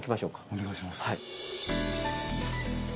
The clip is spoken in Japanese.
お願いします。